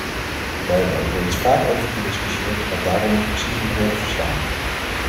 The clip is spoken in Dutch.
Wij hebben er reeds vaak over gediscussieerd wat daaronder precies moet worden verstaan.